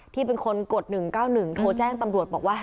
ที่เป็นคนกฎหนึ่งเก้านึงโทรแจ้งตำรวจบอกว่า